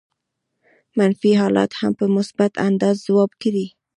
منفي حالات هم په مثبت انداز ځواب کړي.